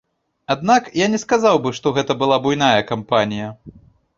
Аднак я не сказаў бы, што гэта была буйная кампанія.